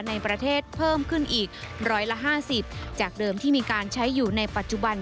ในประเทศเพิ่มขึ้นอีก๑๕๐จากเดิมที่มีการใช้อยู่ในปัจจุบัน